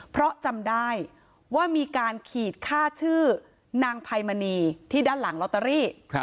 เพราะจำได้ว่ามีการขีดค่าชื่อนางไพมณีที่ด้านหลังลอตเตอรี่